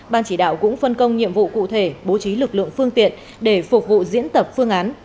ban chỉ đạo cũng phân công nhiệm vụ cụ thể bố trí lực lượng phương tiện để phục vụ diễn tập phương án